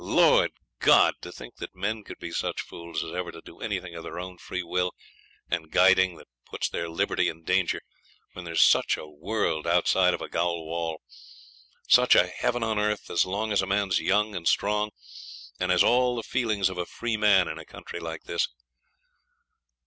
Lord God! to think that men can be such fools as ever to do anything of their own free will and guiding that puts their liberty in danger when there's such a world outside of a gaol wall such a heaven on earth as long as a man's young and strong, and has all the feelings of a free man, in a country like this.